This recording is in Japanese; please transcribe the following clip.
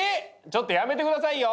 ちょっとやめて下さいよ！